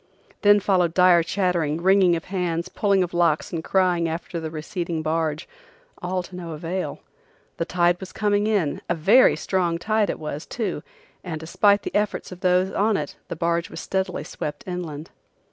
Then followed dire chattering, wringing of hands, pulling of locks and crying after the receding barge, all to no avail. The tide was coming in, a very strong tide it was, too, and despite the efforts of those on it the barge was steadily swept inland.